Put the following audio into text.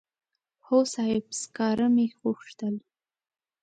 هو صاحب سکاره مې غوښتل.